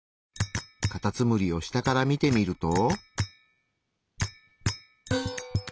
カタツムリを下から見てみると。